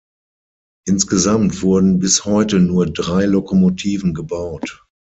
Insgesamt wurden bis heute nur drei Lokomotiven gebaut.